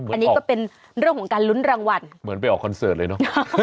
อันนี้ก็เป็นเรื่องของการลุ้นรางวัลเหมือนไปออกคอนเสิร์ตเลยเนอะ